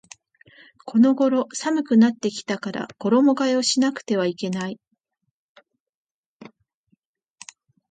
この頃寒くなってきたから衣替えをしなくてはいけない